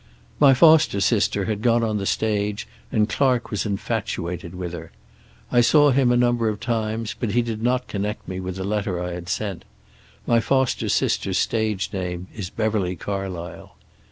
"My foster sister had gone on the stage, and Clark was infatuated with her. I saw him a number of times, but he did not connect me with the letter I had sent. My foster sister's stage name is Beverly Carlysle.